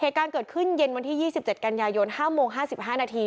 เหตุการณ์เกิดขึ้นเย็นวันที่๒๗กันยายน๕โมง๕๕นาที